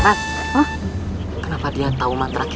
mekkah nyanyianya blanc